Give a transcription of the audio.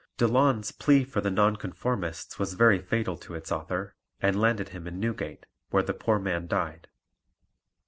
Delaune's Plea for the Nonconformists was very fatal to its author, and landed him in Newgate, where the poor man died.